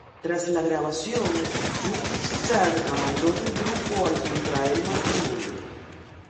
Tras la grabación, Yuki-San abandona el grupo al contraer matrimonio.